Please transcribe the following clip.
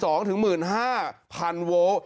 สถานที่๑๒๐๐๐ถึง๑๕๐๐๐โวลล์